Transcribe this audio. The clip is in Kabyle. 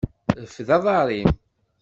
Rfed aḍar-im.